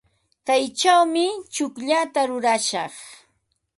Kaychawmi tsukllata rurashaq.